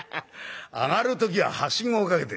上がる時ははしごをかけて」。